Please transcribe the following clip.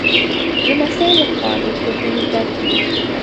لمسی له خواږه خوبونو ډک وي.